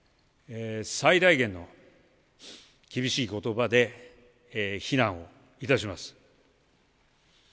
最大限の厳しいことばで非難をいたします。